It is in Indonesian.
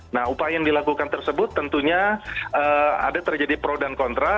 nah upaya yang dilakukan tersebut tentunya ada terjadi pro dan kontra